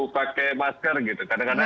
pakai masker gitu